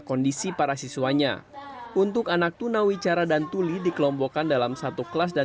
kondisi para siswanya untuk anak tuna wicara dan tuli dikelompokkan dalam satu kelas dan